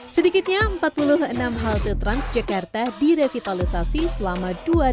sedikitnya empat puluh enam halte transjakarta direvitalisasi selama dua ribu dua puluh